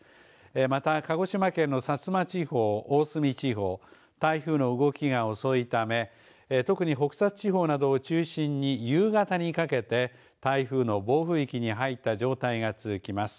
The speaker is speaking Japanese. また鹿児島県の薩摩地方・大隅地方台風の動きが遅いため特に、北薩地方などを中心に夕方にかけて台風の暴風域に入った状態が続きます。